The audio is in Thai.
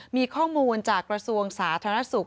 มีข้อมูลจากกระทรวงสาธารณสุข